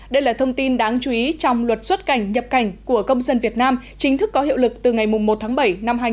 đây là thông tin đáng chú ý trong luật xuất cảnh nhập cảnh của công dân việt nam chính thức có hiệu lực từ ngày một tháng bảy năm hai nghìn hai mươi